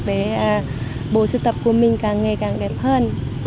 để bộ sưu tập của mình càng ngày càng đẹp hơn